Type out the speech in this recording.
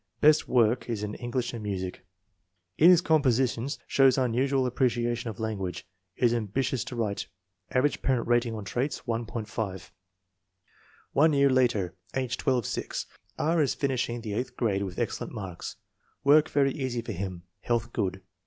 Best work is in English and music. In his com positions shows unusual appreciation of language. Is ambitious to write. Average parent rating on traits, 1.50. FORTY ONE SUPERIOR CHILDREN 229 One year later, age 12 6. " R. is finishing the eighth grade with excellent marks. Work very easy for him. Health good."